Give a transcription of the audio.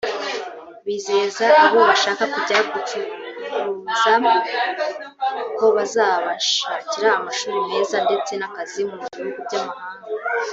Bizeza abo bashaka kujya gucuruza ko bazabashakira amashuri meza ndetse n’akazi mu bihugu by’amahanga